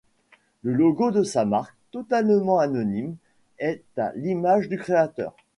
Le logo de sa marque, totalement anonyme, est à l'image du créateur.